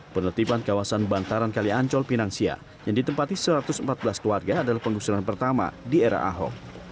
penertiban kawasan bantaran kaliancol pinangsia yang ditempati satu ratus empat belas keluarga adalah penggusuran pertama di era ahok